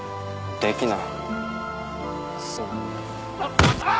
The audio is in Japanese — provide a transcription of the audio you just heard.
できない